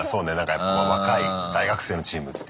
やっぱ若い大学生のチームっていうね。